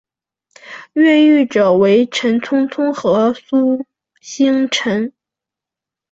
越狱者为陈聪聪和孙星辰。